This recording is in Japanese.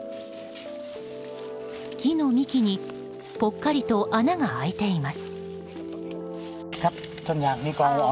木の幹にぽっかりと穴が開いています。